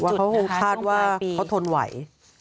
ว่าเขาคาดว่าเขาทนไหว